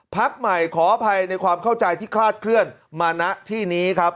พักใหม่ขออภัยในความเข้าใจที่คลาดเคลื่อนมาณที่นี้ครับ